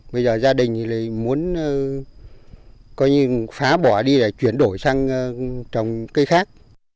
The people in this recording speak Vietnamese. bây giờ gia đình thì lại muốn coi như phá bỏ đi để chuyển đổi sang trồng cây khác